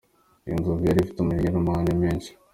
Iyi nzovu yari ifite umujinya n'amahane menshi.